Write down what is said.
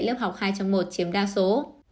lớp học hai trong một chiếm đa số